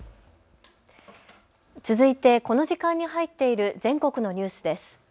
続いてこの時間に入っている全国のニュースです。